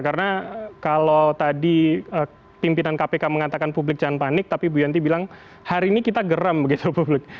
karena kalau tadi pimpinan kpk mengatakan publik jangan panik tapi bu yanti bilang hari ini kita geram begitu publik